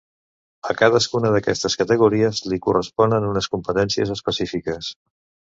A cadascuna d'aquestes categories li corresponen unes competències específiques.